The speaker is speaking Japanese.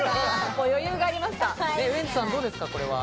ウエンツさん、どうですか？